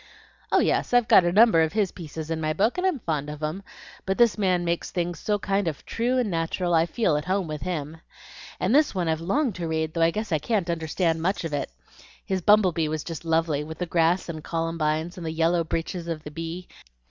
"Oh yes, I've got a number of his pieces in my book, and I'm fond of 'em. But this man makes things so kind of true and natural I feel at home with HIM. And this one I've longed to read, though I guess I can't understand much of it. His 'Bumble Bee' was just lovely; with the grass and columbines and the yellow breeches of the bee.